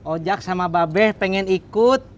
ojak sama babeh pengen ikut